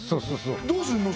どうすんの？